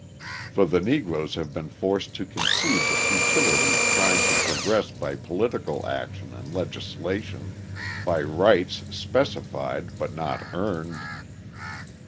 For the Negroes have been forced to concede the futility of trying to progress by political action and legislation, by rights specified but not earned.